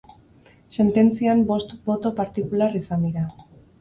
Sententzian bost boto partikular izan dira.